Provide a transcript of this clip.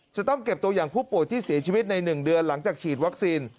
จะต้องเก็บตัวอย่างผู้ป่วยที่เสียชีวิตใน๑เดือนหลังจากฉีดวัคซีน